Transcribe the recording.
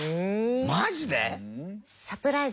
マジで！？